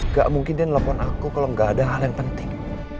gak mungkin dia nelfon aku kalau gak ada hal yang penting